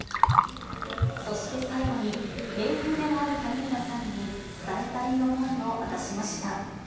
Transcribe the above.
そして最後に、盟友でもある谷村さんに伝えたい思いを明かしました。